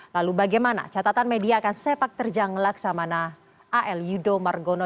lalu bagaimana catatan media akan sepak terjang laksamana al yudo margono